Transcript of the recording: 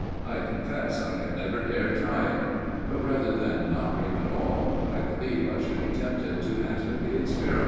I confess I have never dared try it. But, rather than not dream at all, I believe I should be tempted to hazard the experiment.